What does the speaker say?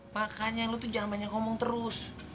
pakannya lu tuh jangan banyak ngomong terus